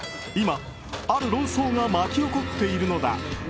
今、ある論争が巻き起こっているのだ。